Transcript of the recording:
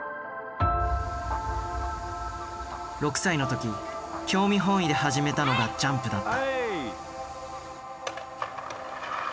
６歳の時興味本位で始めたのがジャンプだった。